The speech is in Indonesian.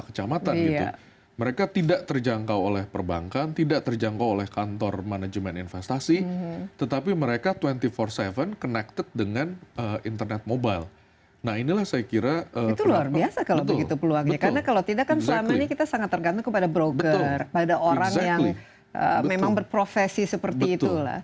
karena kalau tidak kan selama ini kita sangat tergantung kepada broker pada orang yang memang berprofesi seperti itulah